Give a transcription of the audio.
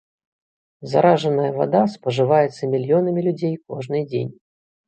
Заражаная вада спажываецца мільёнамі людзей кожны дзень.